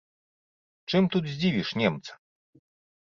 Чым тут здзівіш немца?